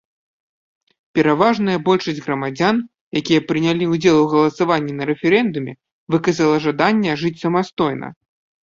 Пераважная большасць грамадзян, якія прынялі ўдзел у галасаванні на рэферэндуме, выказала жаданне жыць самастойна.